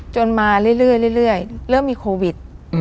มาเรื่อยเริ่มมีโควิด